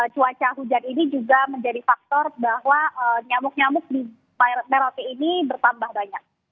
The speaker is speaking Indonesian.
cuaca hujan ini juga menjadi faktor bahwa nyamuk nyamuk di merauke ini bertambah banyak